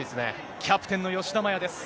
キャプテンの吉田麻也です。